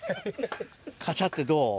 カチャってどう？